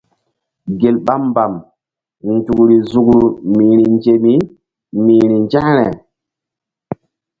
Gel ɓa mbam nzukri nzukru mi̧hri nzemi mi̧hri nzȩkre.